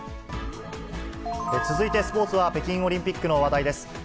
続いてスポーツは、北京オリンピックの話題です。